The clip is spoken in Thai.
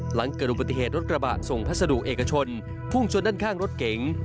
หลังเกิดอุบัติเหตุรถกระบะส่งพัสดุเอกชนพุ่งชนด้านข้างรถเก๋ง